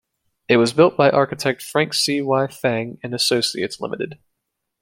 It was built by architect Frank C Y Feng and Associates Limited.